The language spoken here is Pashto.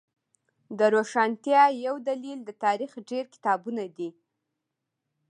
د روښانتیا یو دلیل د تاریخ ډیر کتابونه دی